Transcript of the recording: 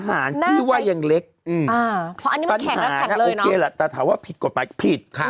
ปัญหาโอเคละแต่ถามว่าผิดกฎไปผิด